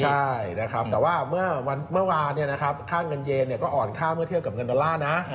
ใช่นะครับแต่ว่าเมื่อวานค่าเงินเยนก็อ่อนค่าเมื่อเทียบกับเงินดอลลาร์นะ